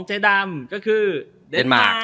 เจ๊ดำก็คือเดนมาร์ค